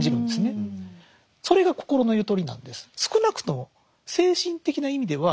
それが心のゆとりなんです。